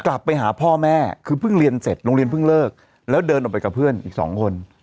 กลับไปหาพ่อแม่คือเพิ่งเรียนเสร็จโรงเรียนเพิ่งเลิกแล้วเดินออกไปกับเพื่อนอีกสองคน